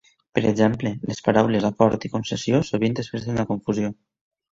Per exemple, les paraules "acord" i "concessió" sovint es presten a confusió.